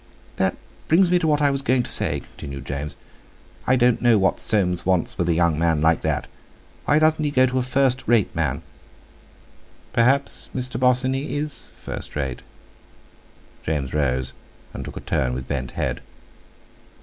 "That brings me to what I was going to say," continued James; "I don't know what Soames wants with a young man like that; why doesn't he go to a first rate man?" "Perhaps Mr. Bosinney is first rate!" James rose, and took a turn with bent head.